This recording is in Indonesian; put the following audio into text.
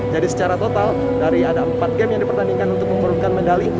jadi secara total dari ada empat game yang dipertandingkan untuk membutuhkan medali